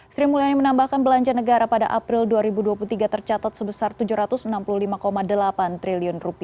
sri mulyani menambahkan belanja negara pada april dua ribu dua puluh tiga tercatat sebesar rp tujuh ratus enam puluh lima delapan triliun